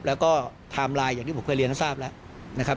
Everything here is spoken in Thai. แล้วก็ไทม์ไลน์อย่างที่ผมเคยเรียนให้ทราบแล้วนะครับ